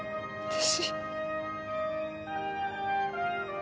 私。